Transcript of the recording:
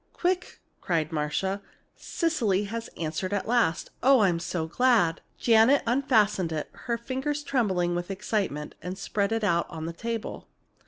"Quick!" cried Marcia. "Cecily has answered at last! Oh, I'm so glad!" Janet unfastened it, her fingers trembling with excitement, and spread it out on the table.